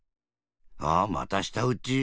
あっまたしたうち。